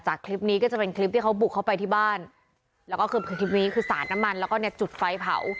คลิปนี้ก็จะเป็นคลิปที่เขาบุกเข้าไปที่บ้านแล้วก็คือคลิปนี้คือสาดน้ำมันแล้วก็เนี่ยจุดไฟเผา